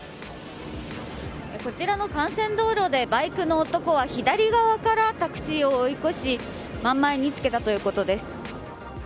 こちらの幹線道路でバイクの男は左側からタクシーを追い越し真ん前につけたということです。